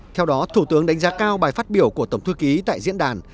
theo đó thủ tướng đánh giá cao bài phát biểu của tổng thư ký tại diễn đàn